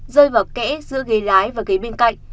rơi vào kẽ giữa ghế lái và ghế bên cạnh